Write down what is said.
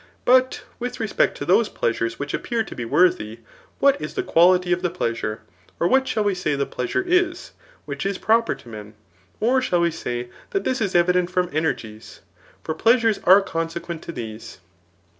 But with respect to those plea^res which appear to be worthy, what is the quality <^ the pleasure^ or what shall we say the pleasure is, which is proper to men ? Or shall we say, that this is evident from raergies ? For pleasures are consequent to these.